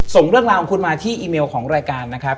ส่งเรื่องราวของคุณมาที่อีเมลของรายการนะครับ